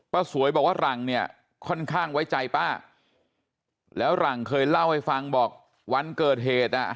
สวยบอกว่าหลังเนี่ยค่อนข้างไว้ใจป้าแล้วหลังเคยเล่าให้ฟังบอกวันเกิดเหตุอ่ะ